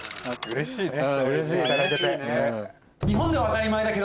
うれしいね。